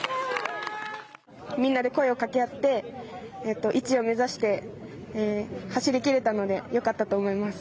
みんなで声をかけ合って１位を目指して走り切れたのでよかったと思います。